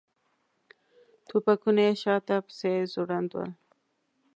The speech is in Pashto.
ټوپکونه یې شاته پسې ځوړند ول.